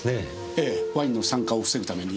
ええワインの酸化を防ぐために。